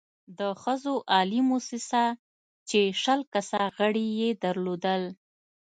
د ښځو عالي مؤسسه چې شل کسه غړې يې درلودل،